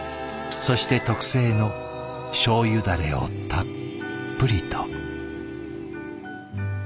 そして特製のしょうゆダレをたっぷりと。